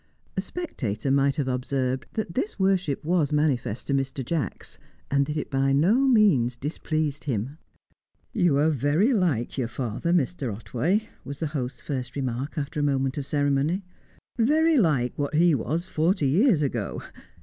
A spectator might have observed that this worship was manifest to Mr. Jacks, and that it by no means displeased him. "You are very like your father, Mr. Otway," was the host's first remark after a moment of ceremony. "Very like what he was forty years ago."